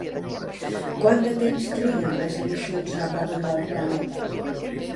Quant de temps triguen les emissions de ràdio del planeta?